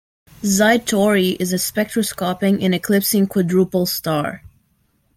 Xi Tauri is a spectroscopic and eclipsing quadruple star.